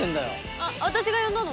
「あっ私が呼んだの」